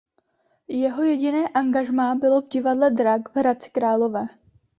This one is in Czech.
Jeho jediné angažmá bylo v divadle Drak v Hradci Králové.